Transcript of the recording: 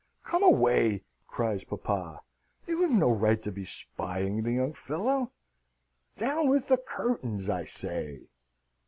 "Come away!" cries papa. "You have no right to be spying the young fellow. Down with the curtains, I say!"